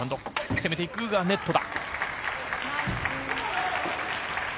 攻めていくがネットだ。